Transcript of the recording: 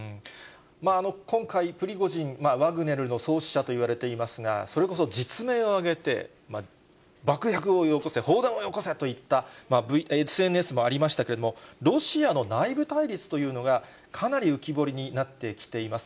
今回、プリゴジン、ワグネルの創始者といわれていますが、それこそ、実名を挙げて、爆薬をよこせ、砲弾をよこせといったＳＮＳもありましたけれども、ロシアの内部対立というのが、かなり浮き彫りになってきています。